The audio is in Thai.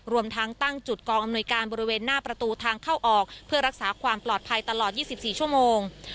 รวมทั้งตั้งจุดกองอำนวยการบริเวณหน้าประตูทางเข้าออกเพื่อรักษาความปลอดภัยตลอด๒๔ชั่วโมง